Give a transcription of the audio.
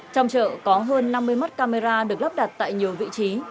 trong chợ có hơn năm mươi mắt camera được lắp đặt tại nhiều vị trí